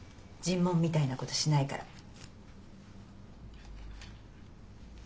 尋問みたいなことしないから。